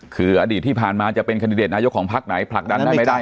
คืออดีตที่ผ่านมาจะเป็นคันดิเดตนายกของพักไหนผลักดันได้ไม่ได้